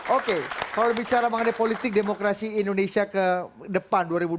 oke kalau bicara mengenai politik demokrasi indonesia ke depan dua ribu dua puluh